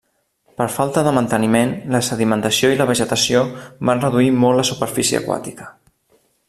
Per falta de manteniment, la sedimentació i la vegetació van reduir molt la superfície aquàtica.